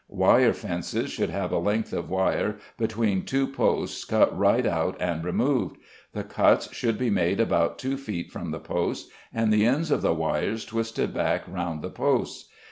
Wire fences should have a length of wire between two posts cut right out and removed; the cuts should be made about two feet from the posts, and the ends of the wires twisted back round the posts.